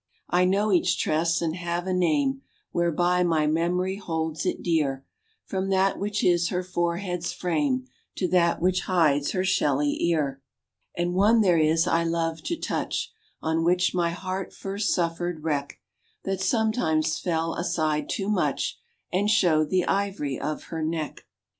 I know each tress, and have a name Whereby my memory holds it dear, From that which is her forehead's frame To that which hides her shelly ear. And one there is I loved to touch, On which my heart first suffered wreck, That sometimes fell aside too much And showed the ivory of her neck.